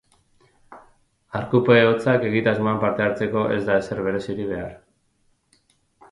Arkupe hotsak egitasmoan parte hartzeko ez da ezer berezirik behar.